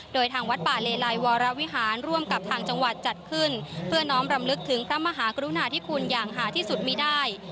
โดยทางวัดป่าเลไลวรวิหารร่วมกับทางจังหวัดจัดขึ้นเพื่อน้องรำลึกถึงพระมหากรุณาที่คุณอย่างหาที่สุดมีได้